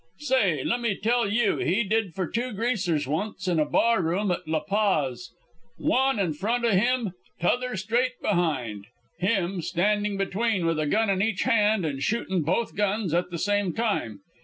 Say, lemme tell you he did for two Greasers once in a barroom at La Paz, one in front o' him, t'other straight behind, him standing between with a gun in each hand, and shootin' both guns at the same time.